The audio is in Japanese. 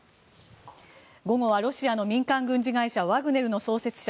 午後はロシアの民間軍事会社ワグネルの創設者